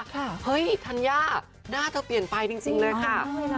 เฮ้ยธัญญาหน้าเธอเปลี่ยนไปจริงเลยค่ะ